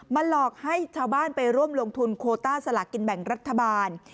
หลอกให้ชาวบ้านไปร่วมลงทุนโคต้าสลากกินแบ่งรัฐบาล